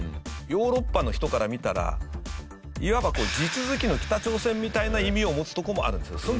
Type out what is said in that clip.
ヨーロッパの人から見たらいわば地続きの北朝鮮みたいな意味を持つとこもあるんですよ。